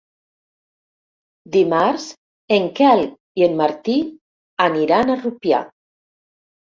Dimarts en Quel i en Martí aniran a Rupià.